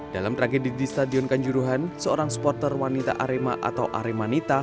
dalam tragedi di stadion kanjuruhan seorang supporter wanita arema atau aremanita